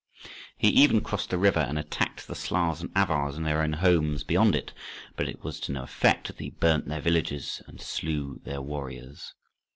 He even crossed the river and attacked the Slavs and Avars in their own homes beyond it; but it was to no effect that he burnt their villages and slew off their warriors.